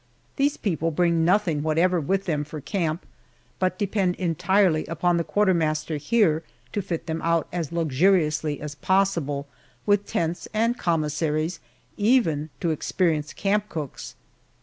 These people bring nothing whatever with them for camp, but depend entirely upon the quartermaster here to fit them out as luxuriously as possible with tents and commissaries even to experienced camp cooks!